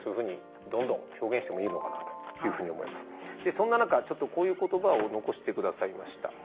そんな中ちょっとこういう言葉を残して下さいました。